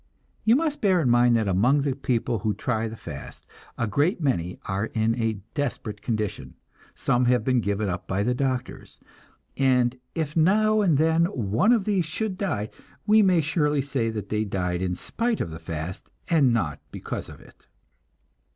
You must bear in mind that among the people who try the fast, a great many are in a desperate condition; some have been given up by the doctors, and if now and then one of these should die, we may surely say that they died in spite of the fast, and not because of it.